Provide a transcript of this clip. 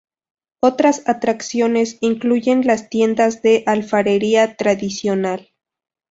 Otras atracciones incluyen las tiendas de alfarería tradicional.